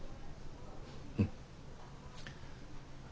うん。